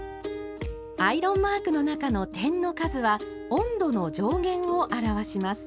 アイロンマークの中の点の数は温度の上限を表します。